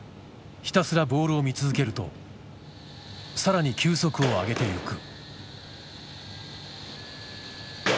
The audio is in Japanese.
ひたすらボールを見続けるとさらに球速を上げていく。